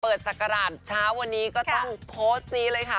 เปิดสักกระหลาดเช้าวันนี้ก็ต้องโพสต์นี้เลยค่ะ